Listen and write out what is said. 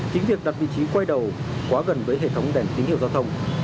chính việc đặt vị trí quay đầu quá gần với hệ thống đèn tín hiệu giao thông